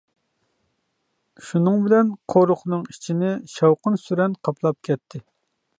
شۇنىڭ بىلەن قورۇقنىڭ ئىچىنى شاۋقۇن-سۈرەن قاپلاپ كەتتى.